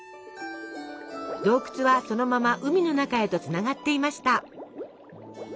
洞窟はそのまま海の中へとつながっていました！